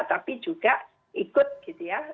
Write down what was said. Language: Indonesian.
tapi juga ikut gitu ya